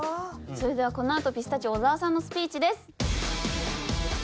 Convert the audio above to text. それではこのあとピスタチオ小澤さんのスピーチです。